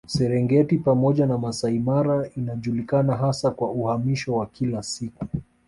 Serengeti pamoja na Masai Mara inajulikana hasa kwa uhamisho wa kila siku